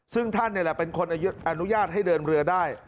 ซึ่งท่านนี่แหละเป็นคนอนุญาตให้เดินเรือได้